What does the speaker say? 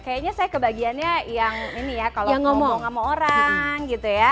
kayaknya saya kebagiannya yang ini ya kalau ngomong sama orang gitu ya